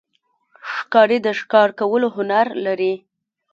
ښکاري د ښکار کولو هنر لري.